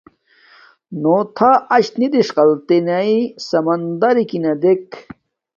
نݸ تھݳ اَچ نݵ دِݽقَلتِنݺ سَمَندَرݸݣ دݵک.